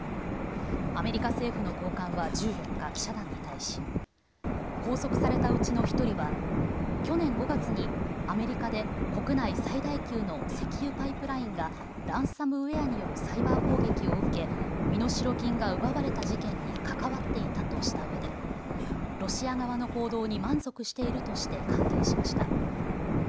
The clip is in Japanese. アメリカ政府の高官は１４日、記者団に対し拘束されたうちの１人は去年５月にアメリカで国内最大級の石油パイプラインがランサムウエアによるサイバー攻撃を受け、身代金が奪われた事件に関わっていたとしたうえでロシア側の行動に満足しているとして歓迎しました。